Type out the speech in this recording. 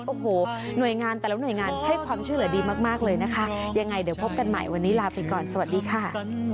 โอ้โหหน่วยงานแต่ละหน่วยงานให้ความช่วยเหลือดีมากเลยนะคะยังไงเดี๋ยวพบกันใหม่วันนี้ลาไปก่อนสวัสดีค่ะ